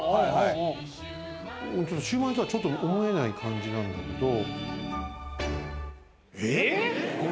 シウマイとはちょっと思えない感じなんだけど。